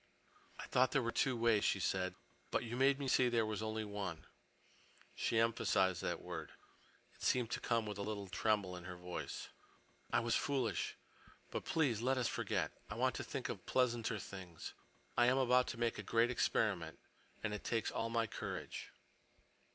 "I thought there were two ways," she said, "but you made me see there was only one." She emphasized that word. It seemed to come with a little tremble in her voice. "I was foolish. But please let us forget. I want to think of pleasanter things. I am about to make a great experiment, and it takes all my courage."